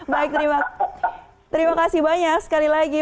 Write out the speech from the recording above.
baik terima kasih banyak sekali lagi